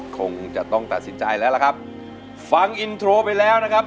คงจะต้องตัดสินใจแล้วล่ะครับ